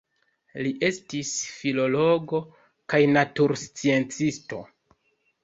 Li estis filologo kaj natursciencisto.